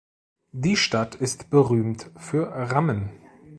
Die Stadt ist berühmt für Ramen.